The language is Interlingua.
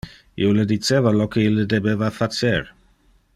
Io le diceva lo que ille debeva facer.